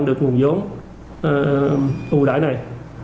được nguồn giống ưu đại này